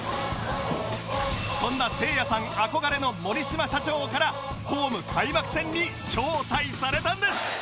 そんなせいやさん憧れの森島社長からホーム開幕戦に招待されたんです